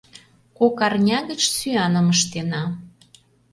Кок арня гыч сӱаным ыштена.